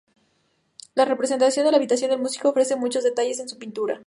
La representación de la habitación del músico ofrece muchos detalles en su pintura.